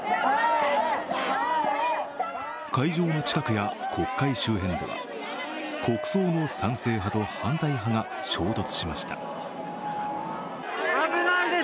会場の近くや国会周辺では国葬の賛成派と反対派が衝突しました。